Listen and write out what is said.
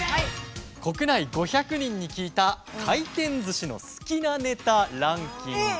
国内５００人に聞いた回転ずしの好きなネタランキングです。